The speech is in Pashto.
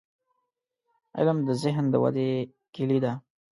• علم، د ذهن د ودې کلي ده.